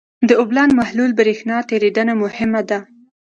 د اوبلن محلول برېښنا تیریدنه مهمه ده.